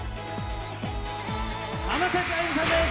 浜崎あゆみさんです